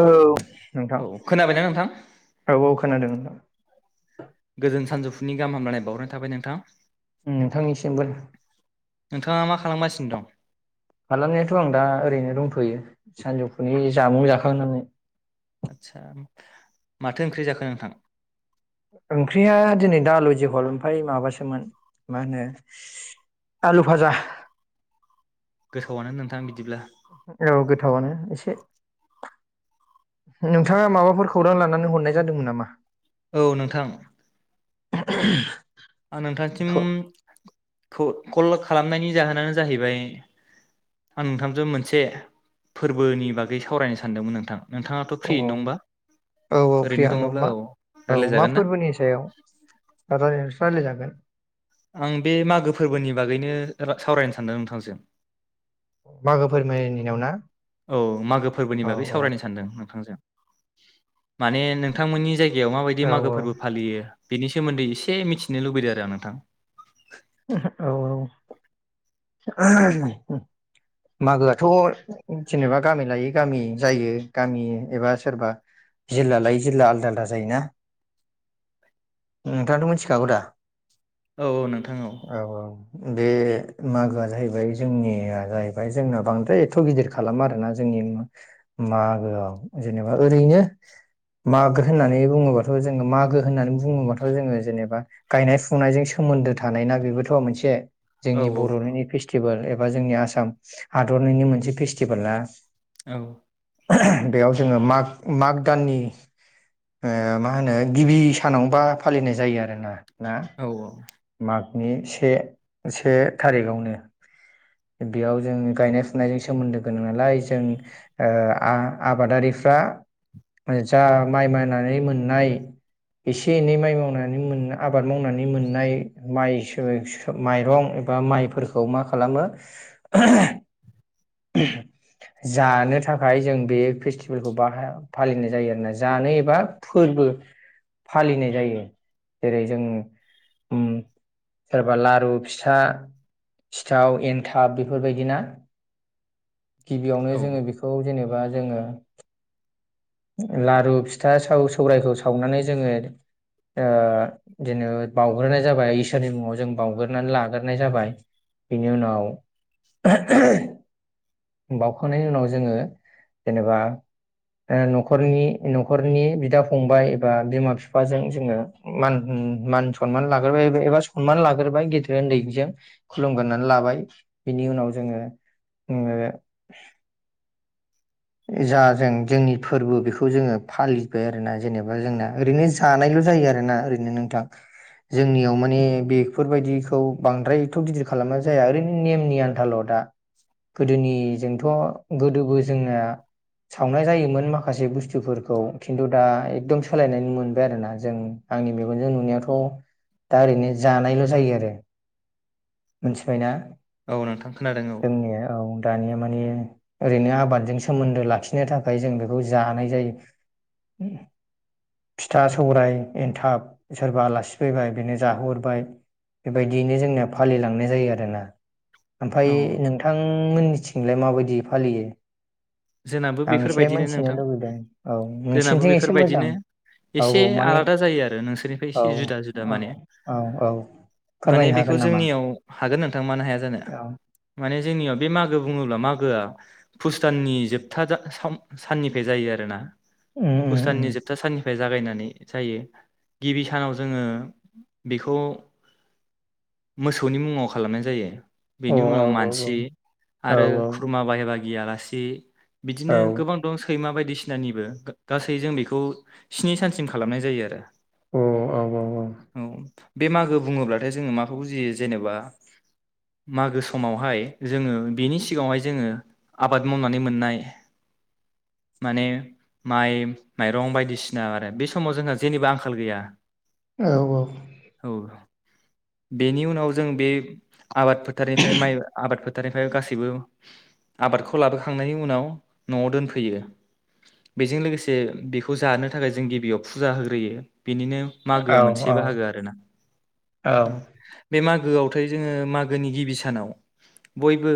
औ नोंथां औ खोनाबायना नोंथां औ औ खोनादों नोंथां। नि गाहामलाय बावहरनाय थाबाय नोंथां। नोंथांनिसिमबो नोंथाङा मा खालामगासिनो दं खालामनायाथआं दा ओरैनो दंथयो। सानजौफुनि जामुं जाखांनानै आदसा माथो ओंख्रि जाखो नोंथां? ओंख्रिया दिनै दा आलु जहल ओमफाय माबासोमोन मा होनो आलु फाजा। गोथावआनो नोंथां बिदिब्ला। औ गोथावानो एसे नोंथाङा माबाफोर खौरां लानानै हरनाय जादोंमोन नामा? औ नोंथां। [unintelligible] आं नोंथांसिम औ खौ कल खालामनायनि जाहोनानो जाहैबाय आं नोंथांजों मोनसे फोरबोनि बागै सावरायनो सानदोंमोन नोंथां। नोंथाङाथ' औ फ्रियैनो दंबा औ ओरैनो फ्रियानोदं दङब्ला मा औ औ मा रायलायजागोन ना फोरबोनि सायाव रायलायनो सा बानाय जागोन। आं बे मागो फोरबोनि बागैनो सावरायनो सानदों नोंथांजों। मागो फोरमायनियव ना? औ मागो फोरबोनि औ बागै सावरायनो सानदों। माने नोंथांमोननि जाय याव माबायदि मागो फोरबो औ फालियो। बिनि सोमोन्दै एसे मिथिनो लुबैदों आरो आं नोंथां। औ मागोआथ जेनेबा गामि लायै गामि जायो गामि एबा सोरबा जिल्ला लायै जिल्ला आलदा आलदा जायोना नोंथाङाथ मिथिखागौ दा? औ नोंथा औ औ बे मागोआ जाहैबाय जोंनिया जाहैबाय जोंना बांद्राय एथ गिदिर खालाम आरोना जोंनि मागोआव जेनेबा ओरैनो मागो होननानै बुङोबाथ जोङो मागो होननानै बुङोबाथ जोङो जेनेबा गायनाय फुनायजों सोमोन्दो था थानाय ना बेबोथ मोनसे। औ जोंनि बरनिनि फेस्टिभ टिभोल एबा जोंनि आसाम हादरनिनो मोनसे फेस्टिभेला ना। औ [unintelligible] बेयाव जोङो माग-माग भुदाननि हो मा होनो गिबि सानावबा फालिनाय जायो आरोना। ना औ औ मागनि से-से थारिखआवनो बेयाव जों गायनाय फुनायजों सोमोन्दो गोनां नालाय जों ओ आ-आबादारिफ्रा जा माइ मायनानै मोननाय एसे एनै माइ मावनानै मोन आबाद मावनानै मोननाय माइ सो [unintelligible] माइरं एबा माइफोरखौ मा खालामो। जानो थाखाय जों बे फेस्टिभेलखौ बाहाय फालिनाय जायो आरोना जानो एबा फोरबो फालिनाय जायो जेरै जों सोरबा लारु फिथा सिथाव एनथाब बेफोरबायदिना? गिबियावनो औ जोङो बेखौ जेनेबा बा जोङो लारु फिथा साव सौरायखौ सावनानै जोङो ओ जेनेबा बाउग्रोनाय जाबाय इसोरनि मुङाव जों बाउग्रोनानै लाग्रोनाय जाबाय बेनि उनाव बाउखांनायनि उनाव जोङो जेनेबा ओ नखरनि-नखरनि बिदा फंबाय एबा बिमा बिफाजों जोङो मान मान सनमान लाग्रोबाय एबा सनमान लाग्रोबाय गेदेर उन्दैजों खुलुमगोरोनै लाबाय बिनि उनाव जोङो ओ जा जों जोंनि फोरबो बेखौ जोङो फालिबाय आरोना जेनेबा जोंना ओरैनो जानायल जायो आरोना ओरैनो नोंथां जोंनियाव माने बेफोरबायदिखौ बांद्राय एथ गिदिर खालामना जाया ओरैनो नेमनि आन्थाल दा। गोदोनि जों थ गोदोबो जोंना सावनाय जायोमोन माखासे बुस्थुफोरखौ खिन्थु दा एकदम सोलायनानै मोनबाय आरोना जों आंनि मेगनजों नुनायावथ दा ओरैनो जानायल जायो आरो। मोनथिबायना? औ नोंथां खोनादों औ जोंनिया औ दानिया माने ओरैनो आबादजों सोमोन्दो लाखिनो थाखाय जों बेखौ जानाय जायो। फिथा सौरायाइ एनथाब सोरबा आलासि फैबाय बेनो जाहोरबाय बेबायदियैनो जोंना फालिलांनाय जायो आरोना। ओमफाय औ नोंथांमोननि थिंलाय माबायदि फालियो? जोंनाबो आं एसे बेफोरबायदिनो मोनथिनो नोंथां लुबैदों जोंनाबो नोंसिनिथिं एसे मोजां बेफोरबायदिनो औ एसे औ माने आलादा जायो आरो नोंसोरनिफ्राय औ एसे जुदा जुदा औ माने औ औ माने फोरमायनो हागोन नामा? [unintelligible] हागोन नोंथां मानो हाया जानो औ माने जोंनियाव बे मागो बुङोब्ला मागोआ पुस दाननि जोब जोबथा सम- साननिफ्राय जायो आरोना। उम पुष उम दाननि जोबथा साननि फ्राय जागायनानै जायो गिबि सानाव जोङो बेखौ मोसौनि मुङाव खालामनाय जायो। औ बेनि औ उनाव औ मानसि औ आरो खुरमा बाय बाहागि बियालासि औ बिदिनो गोबां दं सैमा बायदिसिनानिबो गासै जों बेखौ स्नि सानसिम खालामनाय जायो आरो। अ औ औ बे मागो बुङोब्लाथाय जोङो माखौ बुजियो जेनेबा मागो समावहाय जोङो बेनि सिगाङावहाय जोङो आबाद मावनानै मोननाय माने माइ माइरं बायदिसिना आरो बे समाव जोंहा जेबो आंखाल गैया। औ औ औ बेनि उनाव जों बे आबाद फोथारनिफ्राय माइ आबाद फोथार थारनिफ्राय गासैबो आबादखौ लाबोखांनायनि उनाव न'आव दोनफैयो बेजों लोगोसे बेखौ जानो थाखाय जों गिबियाव फुजा होग्रोयो। बेनिनो मागोआ औ मोनसे बाहागो आरोना। औ मागोआवथाय जोङो मागोनि गिबि सानाव बयबो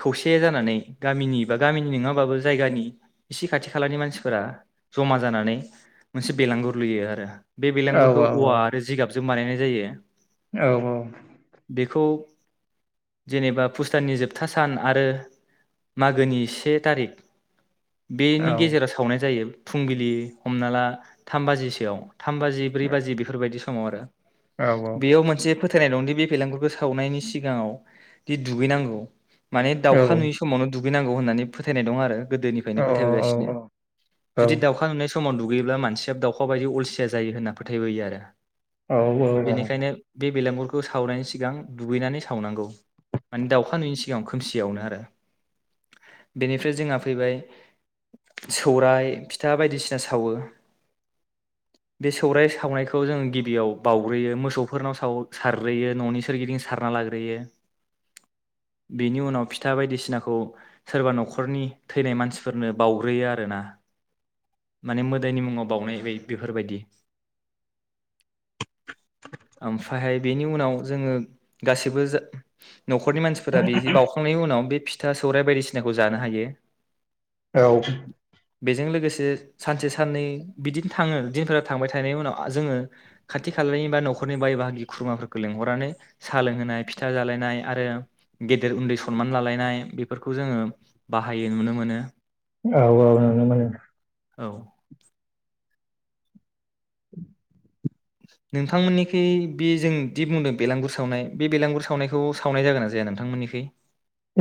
खौसे जानानै गामिनि बा गामिनि नोङाबाबो जायगानि इसे खाथि खालानि मानसिफोरा जमा जानानै मोनसे बेलांगुर लुयो आरो। बे औ बिलांगुरखौ औवा आरो जिगाब जों बानायनाय जायो। औ औ बेखौ जेनेबा पुष दाननि जोबथा सान आरो मागोनि से थारिख बेनि नुनो गेजेराव सावनाय जायो। फुंबिलि हमना ला थाम बाजिसोआव थाम बाजि ब्रै बाजि बेफोरबायदि सम समाव आरो बेयाव मोनसे फो फोथायनाय दंदि बे भेलांगुरफोरखौ सावनायनि सिगाङाव दि-दुगैनांगौ माने दावखा नुयि समावनो दुगै नांगौ होननानै फोथायनाय दं आरो। गोदोनिफ्रायनो फोथायबोगासिनो जुदि दाउखा नुनाय सम समाव दुगैयोब्ला मानसिया दाउखा बायदि अलसिया जायो होनना फोथायबोयो आरो। औ औ [unintelligible] बेनिखायनो बे बेलांगुरखौ सावनायनि सिगां दुगैनानै सावनांगौ माने दाउखा नुनायनि सिगां खोमसियावनो आरो बेनिफ्राय जोंहा फैबाय सौराय फिथा बायदिसिना सावो बे सौराय सावनायखौ जोङो गिबियाव बाउग्रोयो मोसौफोरनावाव सावो सारग्रोयो ननि सोरगिदिं सारना लाग्रोयो बेनि उनाव फिथा बायदिसिनाखौ सोरबा न'खरनि थैनाय मानसिफोरनो बाउग्रोयो आरोना माने मोदायनि मुङाव बावउनाय बे बेफोरबायदि। ओमफ्रायहाय बेनि उनाव जोङो गासिबो जा न'खरनि मानसिफोरा बे बाउखांनायनि उनाव बे फिथा सौराय बायदिसि सिनाखौ जानो हायो। औ जे सानसे साननै बिदिनो थाङो दिनफोरा थांबाय थानायनि उनाव जोङो खाथि खालानि बा नखरनि बाय बाहागि खुरमाफोरखौ लेंहरनानैह सा लोंहोनाय फिथा जालायनाय आरो गेदेर उन्दै सनमान लालायनाय बेफोरखौ जोङो बाहायो नुनो मोनो। औ औ नुनो मोनो। औ [inaudible] नोंथांमोननिखै बे जों दि बुंदों बेलांगुर सावनाय बे बेलांगुर सावनायखौ सावनाय जागोन ना जाया नोंथांमोननिखै?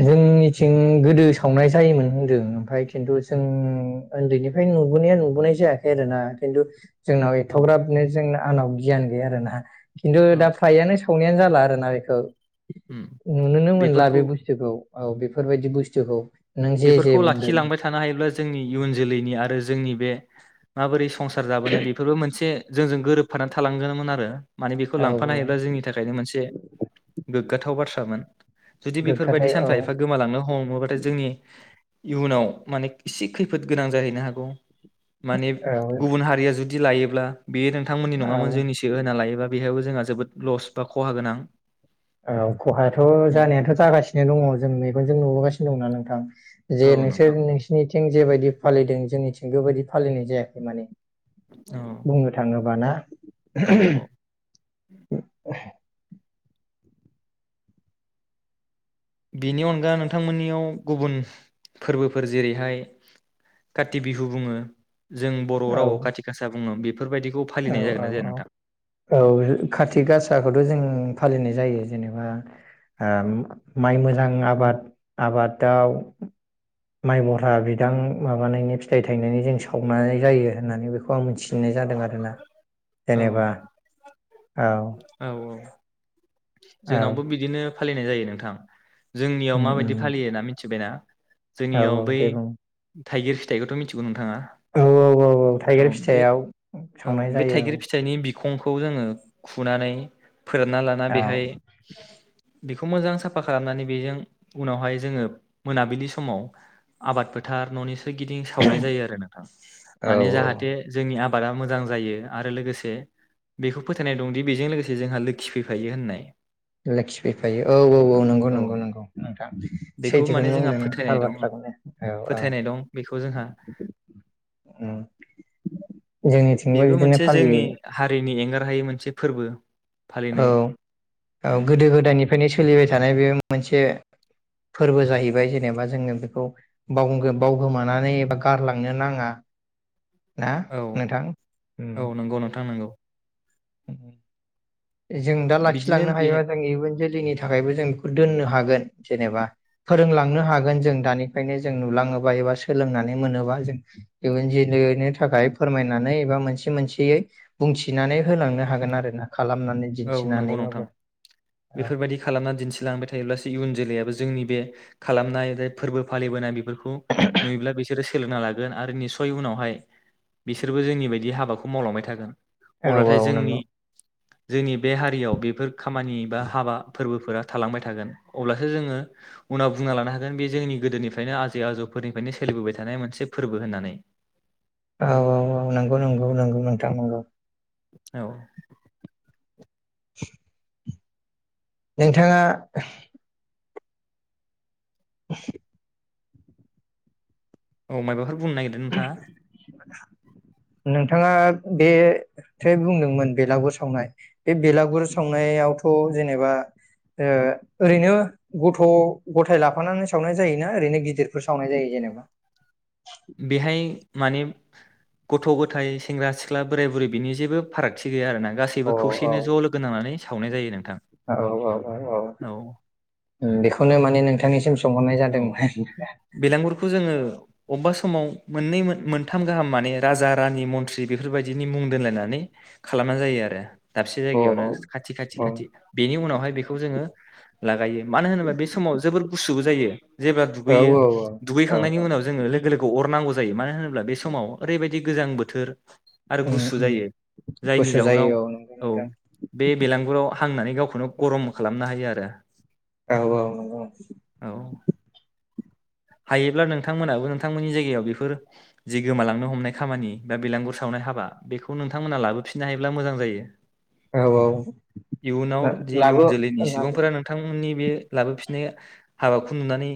जोंनिथिं गोदो सावनाय जायोमोन होनदों ओमफ्राय खिन्थु जों उन्दैनिफ्राय नुबोनाया नुबोनाय जायाखै आरोना खिन्थु जोंनाव औ एथग्राब नो जों आनाव गियान गैया आरोना। [unintelligible] खिन्थु औ दा फ्रायानो संनायानो जाला आरोना बेखौ। उम नुनोनो मोनला बे बेफोरखौ बुस औ औ बेफोरबायदि बुस्थुखौ नों जे जे बेफोरखौ बुंदों लाखिलांबाय थानो हायोब्ला जोंनि इयुन जोलैनि आरो जोंनि बे माबोरै संसार जाबोनाय बेफोरबो मोनसे जोंजों गोरोबफानानै थालांगोनमोन आरो। माने बेखौ औ लांफानो हायोब्ला जोंनि थाखायनो मोनसे गोग्गाथाव बाथ्रामोन। जुदि बेफोरबायदि गोग्गाथाय औ सानफा एफा गोमालांनो हमोबाथाय जोंनि इयुनाव माने इसे खैफोद गोनां जाहैनो हागौ। माने औ गुबुन हारिया जुद दि लायोब्ला बेयो नोंथांमोननि औ नङामोन जोंनिसो होना लायोबा बेहायबो जोंहा जोबोद लस बा खहा गोनां। औ खहायाथ जानायाथ जागासिनो दङ जों मेगनजों नुबोगासिनो दं नालाय। थां जे औ नोंथां नोंसोर नोंसिनिथिं जेबायदि फालिदों जोंनिथिं बेबायदि बायदि फालिनाय जायाखै माने। औ बुंनो थाङोबा ना [inaudible] औ औ बेनि अनगा नोंथांमोननियाव गुबुन फोरबोफोर जेरैहाय काथि बिहु बुङो जों बर औ राव खाथि गासा बुङो बे औ औ औ औ कारतिक गासाखौथ जों फालिनाय जायो जेनेबा माइ मोजां आबाद आबादाव माइ भरा बिदां माबानायनि फिथाइ थायनायनि जों सावनाय जायो होननानै बेखौ आं मिथिनाय जादों आरोना। [unintelligible] औ जेनेबा औ औ औ औ जोंनावबो बिदिनो फालिनाय जायो नोंथां जोंनियाव उम उम माबायदि फालियो ना मिथिबायना औ जोंनियाव औ बै दे बुं थाइगिर फिथाइखौथ मिथिगौ नोंथाङा औ औ औ औ थाइगिर फिथाइआव औ बे थाइगिर फिथाइनि बि खंखौ जोङो खुनानै फोरानना लाना औ बेहाय औ [unintelligible] बेखौ मोजां साफा खालामनानै बेजों उनावहाय जोङो मोनाबिलि समाव आबाद फोथार ननि सो सोरगिदिं सावनाय जायो आरो नोंथां औ माने औ जाहाथे जोंनि आब आबादा मोजां जायो आरो लोगोसे बेखौ फोथायनाय दंदि बेजों लोगोसे जोंहा लोखि फैफायो होननाय लोखि फैफायो औ औ औ नंगौ नंगौ नंगौ नोंथां बेखौ माने सैथोखौनो जोंहा बुंदों नों थार फोथायनाय दं बाथ्राखौनो औ औ फोथायनाय दं बेखौ जोंहा जोंनिथिंबो बिदिनो फालियो नि एंगारहायै मोनसे फोरबो औ फालिनाय औ उम, गोदो गोदायनिफ्राय फ्रारनो सोलिबाय थानाय बे मोनसे फोरबो जाहैबाय जेनेबा जोङो बेखौ बावगो बावगोमानानै एबा गारलांनो नाङा ना औ नोंथां उम औ नंगौ नोंथां नंगौ उम जों दा बिदिनो लाखिलांनो बे हायोबा जों इयुन जोल नि थाखायबो जों बेखौ दोननो हागोन जेनेबा फोरोंलांनो हागोन जों दानिफ्रायनो जों नुलाङोबा एबा सोलोंनानै मोनोबा जों बे जनो थाखाय फोरमायनानै एबा मोनसे मोनसेयै बुंथिनानै होलांनो हागोन आरो ना औ नंगौ नोंथां औ बेफोरबायदि खालामना दिनथिलांबाय थायोब्लासो इयुन जोलैयाबो जोंनि बे खालामनाय बे फोरबो फालिबोनाय बेफोरखौ खौ नुयोब्ला बिसोर सोलोंना लागोन आरो निस्सय उनावहाय बिसोरबो जोंनि बायदि हाबाखौ मावलांबाय थागोन औ अब्लाथाय औ जोंनि नंगौ जोंनि बे हारियाव बेफोर खामानि बा हाबा फोरबोफोरा थालांबाय थागोन अब्लासो जोङो उनाव बुंना लानो हागोन बे जोंनि गोदोनिफ्रायनो आजै आजौफोरनिफ्रायनो सोलिबोबाय थानाय मोनसे फोरबो होननानै। औ औ औ नंगौ नंगौ नंगौ नोंथां नंगौ औ [inaudible] नोंथाङा [unintelligible] औ मायबाफोर बुंनो नागिरदों नोंथाङा नोंथाङा बे थ बुंदोंमोन बेलागुर सावनाय बे बेलागुर सावनायावथ जेनेबा ओ ओरैनो गथ' गथाय लाफानानै सावनाय जायोना ओरैनो गिदिरफोर सावनाय जायो जेनेबा बेहाय माने गथ' गथाय सेंग्रा सिख्ला बोराय बुरै बिनि जेबो फारागथि गैया आरोना अ गासैबो औ खौसेयैनो ज'लोगो नांनानै सावनाय जायो नोंथां औ औ औ औ उम बेखौनो माने नोंथांनिसिम सोंहरनाय औ जादोंमोन बेलांगुरखौ जोङो अबेबा समाव मोननै मो-मोनथाम गाहाम माने राजा रानि मन्थ्रि बेफोरबायदिनि मुं दोनलायनानै खालामना जायो आरो दाबसे अ औ जायगायावनो खाथि खाथि औ खाथि बेनि उनावहाय बेखौ जोङो लागायो मानो होनोबा बे समाव जोबोर गुसु बो जायो जेब्ला दुगैयो औ औ औ दुगैखांनायनि औ उनाव जोङो लो खौ अरनांगौ जायो मानो होनोब्ला बे समाव ओरैबायदि गोजां बोथोर आरो उम गुसु उम जायो जायनि गुसु जाउनाव जायो नंगौ औ नोंथां बे बेलांगुराव हांनानै गावखौनो गरम खालामनो हायो आरो औ औ नंगौ औ हायोब्ला नोंथांमोनाबो नोंथांमोननि जायगायाव बेफोर जि गोमालांनो हमनाय खामानि बा बिलांगुर सावनाय हाबा बेखौ नोंथांमोना लाबोफिननो हायोब्ला मोजां जायो औ औ इयुनाव जि इयुन लाबो जोलैनि लाबो सुबुंफोरा नोंथांमोननि बे लाबोफिननाय हाबाखौ नुनानै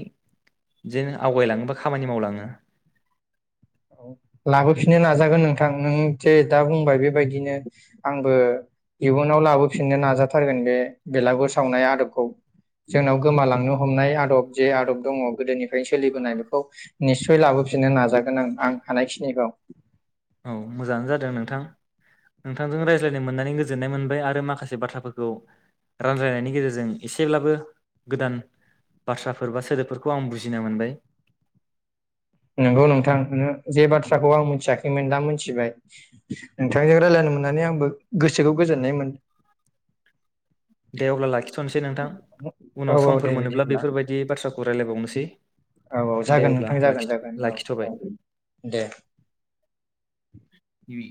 बिदिनो आवगायलाङोबा खामानि मावलाङो लाबोफिननो नाजागोन नोंथां नों जे दा बुंबाय बेबायदिनो आंबो इयुनाव लाबोफिननो नाजाथारगोन बे बेलागुर सावनाय आदबखौ जोंनाव औ गोमालांनो हमनाय आदब जे आदब दङ गोदोनिफ्रायनो सोलिबोनाय बेखौ निस्सय लाबोफिननो नाजागोन आं आं हानायखिनिखौ औ मोजाङानो जादों नोंथां नोंथांजों रायज्लायनो मोननानै गो गोजोननाय मोनबाय आरो माखासे बाथ्राफोरखौ रानलायनायनि गेजेरजों एसेब्लाबो गोदान बाथ्राफोर बा सोदोबफोरखौ आं बुजिनो मोनबाय नंगौ नोंथां नोङो जे बाथ्राखौ आं मिथियाखैमोन दा मोनथिबाय नोंथांजों रायज्लायनो मोननानै आंबो गोसोखौ गोजोननाय मोन दे अब्ला लाखिथ'नोसै नोंथां औ उनाव औ समफोर दे मोनोब्ला बिदिब्ला बेफोरबायदि बाथ्रा खौ रायलायबावनोसै औ औ दे जागोन अब्ला नोंथां जागोन जागोन औ लाखि-लाखिथ'बाय औ दे उम